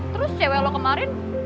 terus cewek lo kemarin